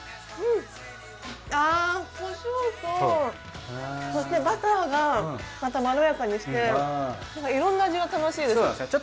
あぁこしょうとそしてバターがまたまろやかにしていろんな味が楽しいです。